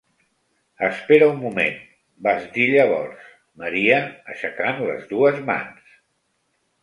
Espera un moment! –vas dir llavors, Maria, aixecant les dues mans–.